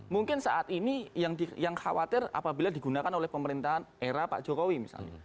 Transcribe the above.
mungkin saat ini yang khawatir apabila digunakan oleh pemerintahan era pak jokowi misalnya